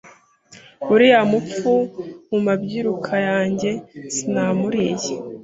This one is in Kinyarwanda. uriya mupfu mu mabyiruka yanjye sinamuriye